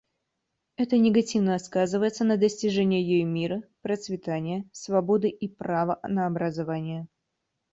Это негативно сказывается на достижении ею мира, процветания, свободы и права на образование.